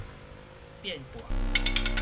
變卦